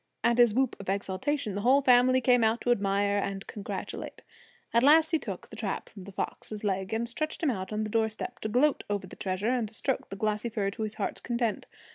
At his whoop of exultation the whole family came out to admire and congratulate. At last he took the trap from the fox's leg, and stretched him out on the doorstep to gloat over the treasure and stroke the glossy fur to his heart's content.